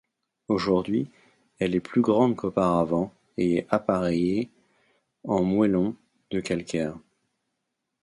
Aujourd’hui, elle est plus grande qu’auparavant et est appareillée en moellons de calcaire.